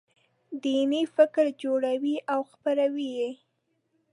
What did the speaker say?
دیني فکر جوړوي او خپروي یې.